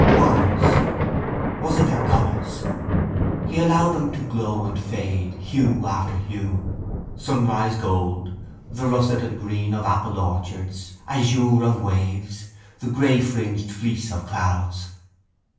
Words. Was it their colours? He allowed them to glow and fade, hue after hue: sunrise gold, the russet and green of apple orchards, azure of waves, the greyfringed fleece of clouds.